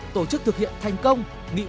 tổ chức thực hiện thành công